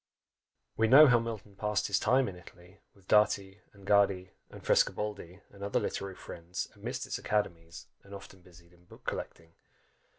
We know how Milton passed his time in Italy, with Dati, and Gaddi, and Frescobaldi, and other literary friends, amidst its academies, and often busied in book collecting.